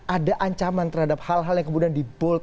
ada ancaman terhadap hal hal yang kemudian dibold